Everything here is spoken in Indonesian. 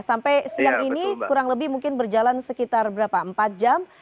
sampai siang ini kurang lebih mungkin berjalan sekitar berapa empat jam